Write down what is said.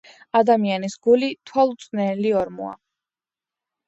„ადამიანის გული თვალუწვდენელი ორმოა.“